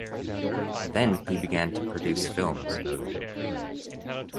Then he began to produce films.